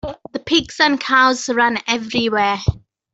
The pigs and cows ran everywhere.